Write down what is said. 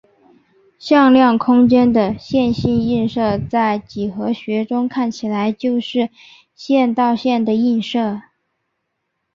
向量空间的线性映射在几何学中看起来就是线到线的映射。